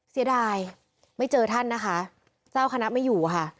เสียดายไม่เจอท่านนะคะเจ้าคณะไม่อยู่ค่ะ